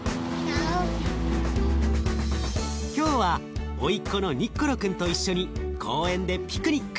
今日はおいっ子のニッコロくんと一緒に公園でピクニック。